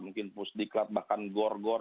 mungkin pusdiklat bahkan gor gor